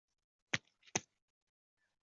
打击乐器可能是最古老的乐器。